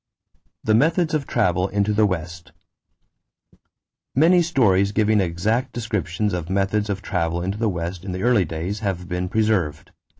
=The Methods of Travel into the West.= Many stories giving exact descriptions of methods of travel into the West in the early days have been preserved.